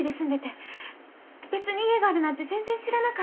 別に家があるなんて全然知らなかった。